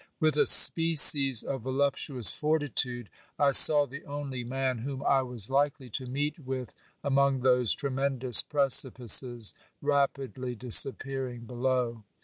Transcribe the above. With a species of voluptuous fortitude I saw the only man whom I was likely to meet with among those tremendous precipices rapidly disappearing below.